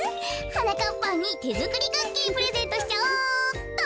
はなかっぱんにてづくりクッキープレゼントしちゃおうっと。